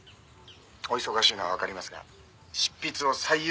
「お忙しいのはわかりますが執筆を最優先にお願いします」